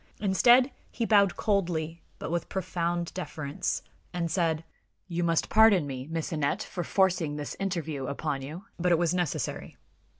Instead, he bowed coldly, but with profound deference, and said: "You must pardon me, Miss Aneth, for forcing this interview upon you; but it was necessary."